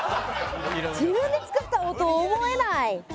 自分で作ったものと思えない。